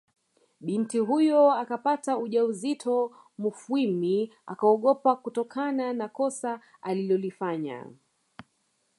Binti huyo akapata ujauzito Mufwimi akaogopa kutokana na kosa alilolifanya